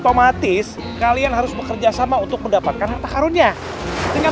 otomatis kalian harus bekerjasama untuk mendapatkan harta karunnya dengan